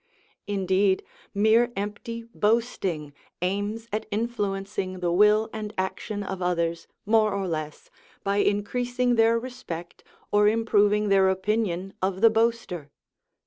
Indeed, mere empty boasting aims at influencing the will and action of others more or less, by increasing their respect or improving their opinion of the boaster.